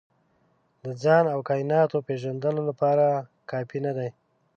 د ځان او کایناتو پېژندلو لپاره کافي نه دي.